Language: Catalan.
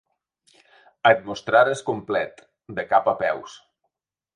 Et mostrares complet, de cap a peus.